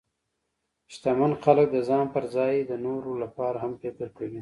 شتمن خلک د ځان پر ځای د نورو لپاره هم فکر کوي.